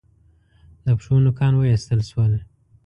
د پښو نوکان و ایستل شول.